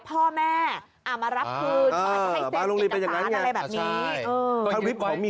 พ่อแม่มารับคืน